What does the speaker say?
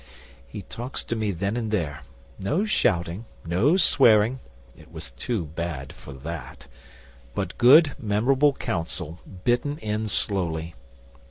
'He talks to me then and there. No shouting, no swearing (it was too bad for that); but good, memorable counsel, bitten in slowly.